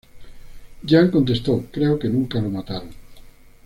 Jiang contestó: "Creo que nunca lo mataron.